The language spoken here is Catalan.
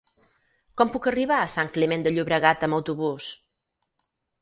Com puc arribar a Sant Climent de Llobregat amb autobús?